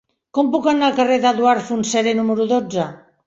Com puc anar al carrer d'Eduard Fontserè número dotze?